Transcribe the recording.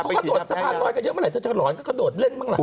เขาก็โดดสะพานร้อนกันเยอะมากแต่เจ้าสะพานร้อนก็โดดเล่นบ้างล่ะ